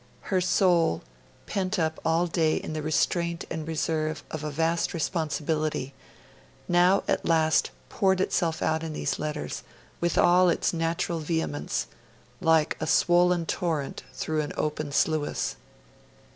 Her soul, pent up all day in the restraint and reserve of a vast responsibility, now at last poured itself out in these letters with all its natural vehemence, like a swollen torrent through an open sluice.